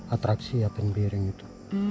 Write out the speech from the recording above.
atraksi apeng biring itu